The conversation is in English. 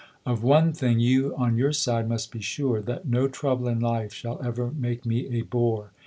Of one thing you, on your side, must be sure : that no trouble in life shall ever make me a bore.